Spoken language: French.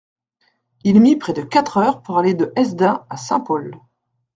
Il mit près de quatre heures pour aller de Hesdin à Saint-Pol.